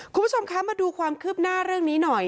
คุณผู้ชมคะมาดูความคืบหน้าเรื่องนี้หน่อย